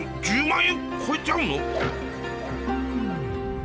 １０万円越えちゃうの！？